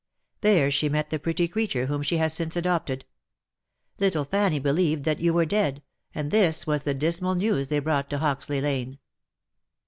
There she met the pretty creature whom she has since adopted. Little Fanny believed that you were dead, and this was the dismal news they brought to Hoxley lane.